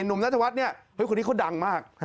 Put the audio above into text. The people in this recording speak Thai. หนุ่มนัทวัฒน์เนี่ยเฮ้ยคนนี้เขาดังมาก